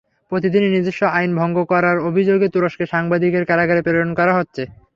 প্রতিদিনই নিজস্ব আইন ভঙ্গ করার অভিযোগে তুরস্কের সাংবাদিকদের কারাগারে প্রেরণ করা হচ্ছে।